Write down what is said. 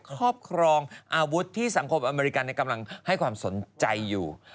ครอบครองอาวุธที่สังคมอเมริกันกำลังให้ความสนใจอยู่